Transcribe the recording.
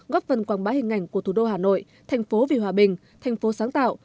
góp phần quảng bá hình ảnh của thủ đô hà nội thành phố vì hòa bình thành phố sáng tạo